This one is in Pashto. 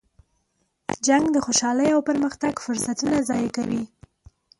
جنګ د خوشحالۍ او پرمختګ فرصتونه ضایع کوي.